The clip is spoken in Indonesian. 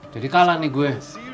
jadi kalah nih gue